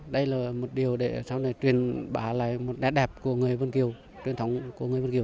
đây là một điều để sau này truyền bá lại một nét đẹp của người vân kiều truyền thống của người vân kiều